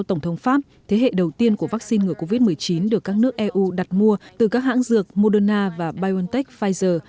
thế hệ đầu tiên của vaccine ngừa covid một mươi chín được các nước eu đặt mua từ các hãng dược moderna và biontech pfizer